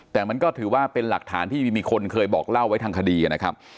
แต่มันก็ถือว่าเป็นหลักฐานที่มีคนเคยบอกเล่าไว้ทางคดีนะครับ